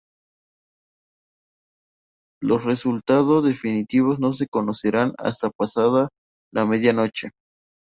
Los resultado definitivos no se conocerán hasta pasada la medianoche.